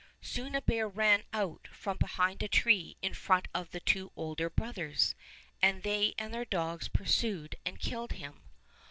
Soon a bear ran out from behind a tree in front of the two older bro thers, and they and their dogs pursued and killed him.